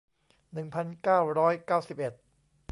หนึ่งพันเก้าร้อยเก้าสิบเอ็ด